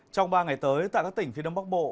trong ba ngày tới tại các tỉnh phía đông bắc bộ